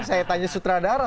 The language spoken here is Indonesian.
saya tanya sutradara